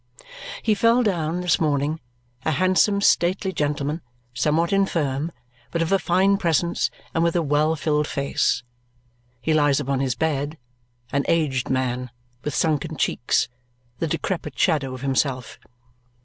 He fell down, this morning, a handsome stately gentleman, somewhat infirm, but of a fine presence, and with a well filled face. He lies upon his bed, an aged man with sunken cheeks, the decrepit shadow of himself.